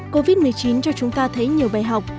covid một mươi chín cho chúng ta thấy nhiều bài học